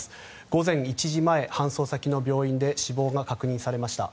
午前１時前、搬送先の病院で死亡が確認されました。